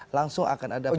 langsung akan ada pertemuan